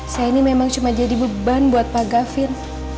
saya ini memang cuma jadi beban buat pak gavin